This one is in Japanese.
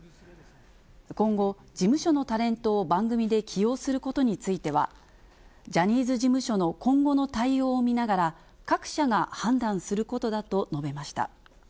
今後、事務所のタレントを番組で起用することについては、ジャニーズ事務所の今後の対応を見ながら、各社が判断することだと述べました。